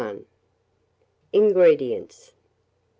INGREDIENTS.